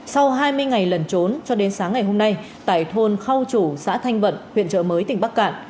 sau hai mươi ngày lẩn trốn cho đến sáng ngày hôm nay tại thôn khau chủ xã thanh vận huyện trợ mới tỉnh bắc cạn